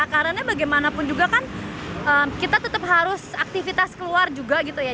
karena bagaimanapun juga kan kita tetap harus aktivitas keluar juga gitu ya